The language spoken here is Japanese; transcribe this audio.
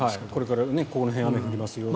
これからここら辺雨が降りますよとか。